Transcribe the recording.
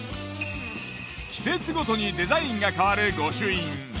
季節ごとにデザインが変わる御朱印。